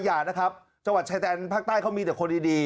อย่านะครับจังหวัดชายแดนภาคใต้